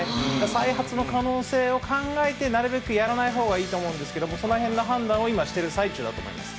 再発の可能性を考えて、なるべくやらないほうがいいと思うんですけれども、そのへんの判断を今、してる最中だと思います。